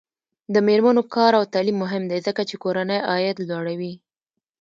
د میرمنو کار او تعلیم مهم دی ځکه چې کورنۍ عاید لوړوي.